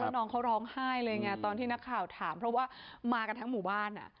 น้องเขาร้องไห้เลยไงตอนที่นักข่าวถามเพราะว่ามากันทั้งหมู่บ้าน